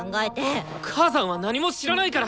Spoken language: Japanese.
母さんは何も知らないから！